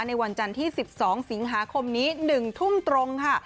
ในวันจันทร์ที่๑๒สิงหาคมนี้๑ทุ่มตรงค่ะ